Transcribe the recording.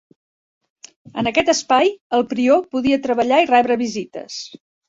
En aquest espai el prior podia treballar i rebre visites.